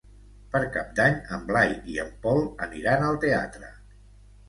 Per Cap d'Any en Blai i en Pol aniran al teatre.